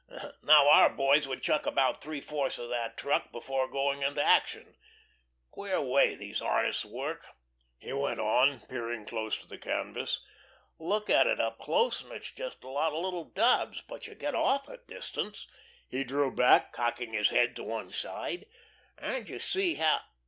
Now our boys would chuck about three fourths of that truck before going into action.... Queer way these artists work," he went on, peering close to the canvas. "Look at it close up and it's just a lot of little daubs, but you get off a distance" he drew back, cocking his head to one side "and you see now.